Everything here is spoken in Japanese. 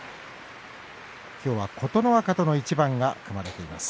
きょうは琴ノ若との一番が組まれています。